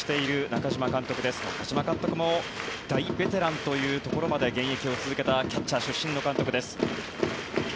中嶋監督も大ベテランというところまで現役を続けたキャッチャー出身の監督です。